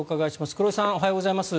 黒井さんおはようございます。